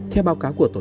theo báo cáo của tổ chức